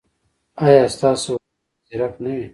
ایا ستاسو وکیل به زیرک نه وي؟